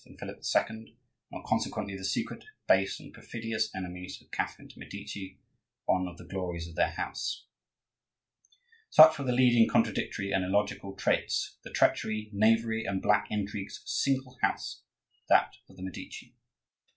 and Philip II., and were consequently the secret, base, and perfidious enemies of Catherine de' Medici, one of the glories of their house. Such were the leading contradictory and illogical traits, the treachery, knavery, and black intrigues of a single house, that of the Medici.